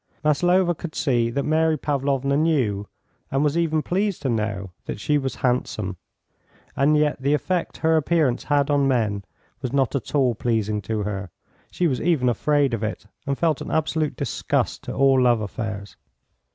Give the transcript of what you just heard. Maslova could see that Mary Pavlovna knew, and was even pleased to know, that she was handsome, and yet the effect her appearance had on men was not at all pleasing to her; she was even afraid of it, and felt an absolute disgust to all love affairs.